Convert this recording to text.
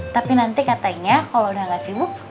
tapi nanti katanya kalau udah gak sibuk